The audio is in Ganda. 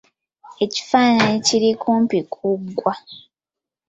Ekifaananyi kiri kumpi ku gwa.